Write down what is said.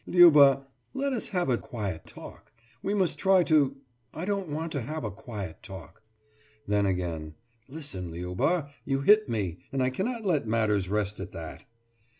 »Liuba, let us have a quiet talk. We must try to....« »I don't want to have a quiet talk.« Then again: »Listen, Liuba. You hit me, and I cannot let matters rest at that.